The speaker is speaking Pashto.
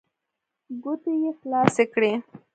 ګوتې يې خلاصې کړې.